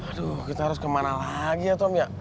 aduh kita harus kemana lagi ya tom ya